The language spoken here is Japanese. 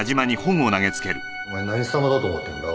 お前何様だと思ってんだおい。